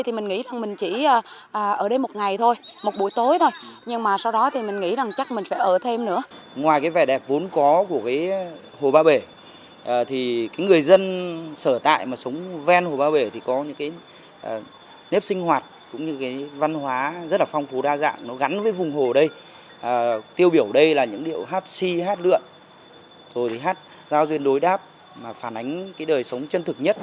tiêu biểu đây là những điệu hát si hát lượn rồi hát giao duyên đối đáp phản ánh đời sống chân thực nhất của bà con vùng hồ gắn với vùng hồ ba bể